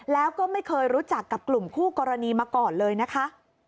แล้วก็ไม่เคยรู้จักกับกลุ่มคู่กรณีมาก่อนเลยนะคะ